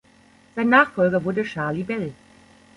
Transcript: Sein Nachfolger wurde Charlie Bell.